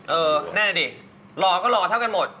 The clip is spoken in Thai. เออแน่นอนดิหล่อก็หล่อเท่ากันหมด